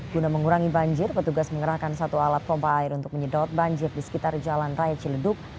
guna mengurangi banjir petugas mengerahkan satu alat pompa air untuk menyedot banjir di sekitar jalan raya ciledug